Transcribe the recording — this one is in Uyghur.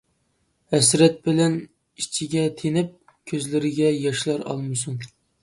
ھەسرەت بىلەن ئىچىگە تىنىپ، كۆزلىرىگە ياشلار ئالمىسۇن.